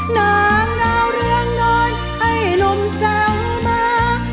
นางดาวเรืองนอนให้ลมเศร้ามา